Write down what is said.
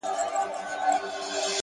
د حقیقت منکر حقیقت نه بدلوي